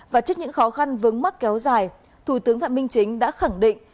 và trước những khó khăn vướng mắc kéo dài thủ tướng thạm minh chính đã khẳng định